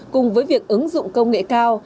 cùng với việc ứng dụng công nghệ cao